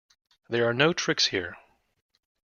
There are no tricks here.